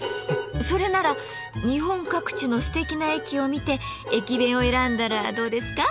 それなら日本各地のすてきな駅を見て駅弁を選んだらどうですか？